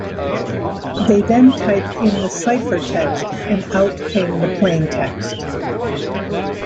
They then typed in the ciphertext and out came the plaintext.